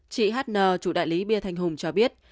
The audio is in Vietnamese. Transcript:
chị h n chủ đại lý bia thành hùng cho biết